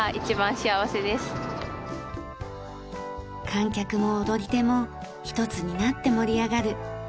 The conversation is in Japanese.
観客も踊り手もひとつになって盛り上がる。